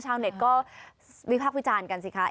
ชาวเน็ตก็วิพากษ์วิจารณ์กันสิคะ